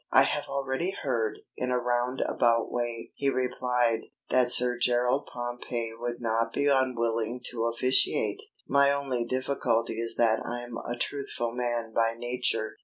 "I have already heard, in a round about way," he replied, "that Sir Gerald Pompey would not be unwilling to officiate. My only difficulty is that I'm a truthful man by nature.